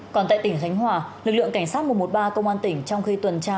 còn tại tỉnh khánh hòa lực lượng cảnh sát một trăm một mươi ba công an tỉnh trong khi tuần tra